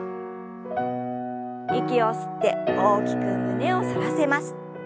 息を吸って大きく胸を反らせます。